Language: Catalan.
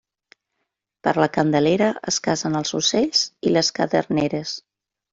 Per la Candelera es casen els ocells i les caderneres.